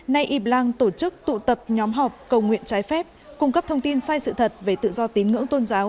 nay y blang tổ chức tụ tập nhóm họp cầu nguyện trái phép cung cấp thông tin sai sự thật về tự do tín ngưỡng tôn giáo